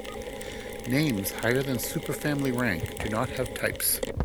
Names higher than superfamily rank do not have types.